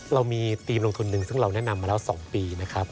เรามีทีมลงทุนหนึ่งซึ่งเราแนะนำมาแล้ว๒ปีนะครับ